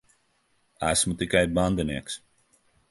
Esmu tikai bandinieks.